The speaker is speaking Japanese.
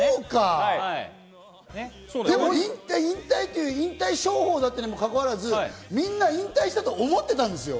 でも引退商法だったにもかかわらず、みんな引退したと思ってたんですよ。